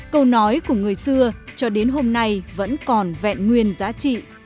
câu nói của người xưa cho đến hôm nay vẫn còn vẹn nguyên giá trị